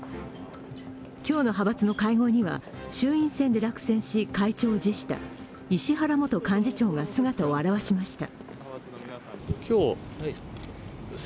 今日の派閥の会合には衆院選で落選し会長を辞した石原元幹事長が姿を現しました。